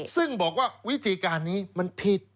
ซึ่งบอกว่าวิธีการนี้มันผิด